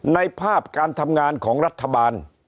ในภาพการทำงานของรัฐบาล